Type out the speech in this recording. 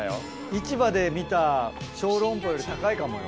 市場で見た小籠包より高いかもよ。